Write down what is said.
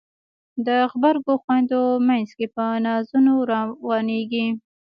د غبرګو خویندو مینځ کې په نازونو روانیږي